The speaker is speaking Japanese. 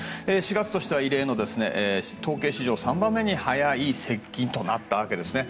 ４月としては異例の統計史上３番目に早い接近となったわけですね。